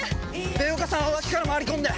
べおかさんは脇から回り込んで。